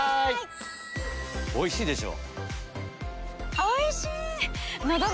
おいしいでしょ？